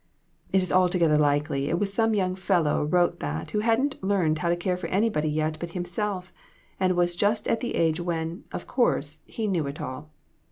It is altogether likely it was some young fellow wrote that who hadn't learned how to care for anybody yet but himself, and was just at the age when, of course, he knew it all.